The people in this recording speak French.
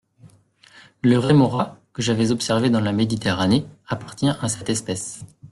Le rémora, que j'avais observé dans la Méditerranée, appartient à cette espèce.